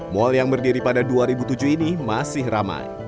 mal yang berdiri pada dua ribu tujuh ini masih ramai